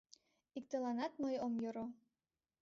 Иктыланат мый ом йӧрӧ!..